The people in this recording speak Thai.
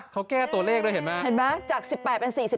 เขาแก้ตัวเลขด้วยเห็นไหมเห็นไหมจาก๑๘เป็น๔๘